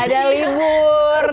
tidak ada libur